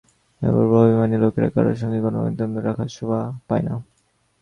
এতবড়ো অভিমানী লোকের কারো সঙ্গে কোনো সম্বন্ধ রাখা শোভা পায় না।